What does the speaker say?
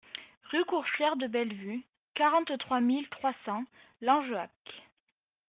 Rue Coursière de Bellevue, quarante-trois mille trois cents Langeac